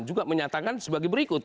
juga menyatakan sebagai berikut